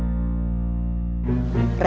t membrane orang nusantara